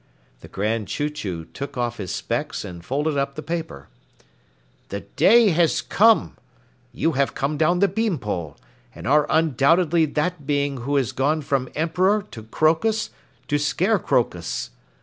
The Grand Chew Chew took off his specs and folded up the paper. "The day has come! You have come down the bean pole, and are undoubtedly that being who has gone from Emperor to crocus to Scarecrowcus.